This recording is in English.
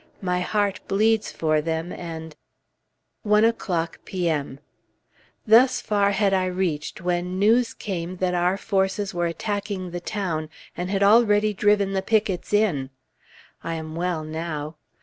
My heart bleeds for them and 1 o'clock P.M. Thus far had I reached when news came that our forces were attacking the town, and had already driven the pickets in! I am well now.